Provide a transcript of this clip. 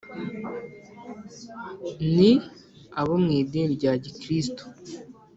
ni abo mu idini rya gikristu